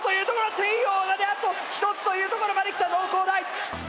チェイヨーまであと１つというところまできた農工大！